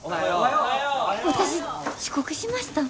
私遅刻しました？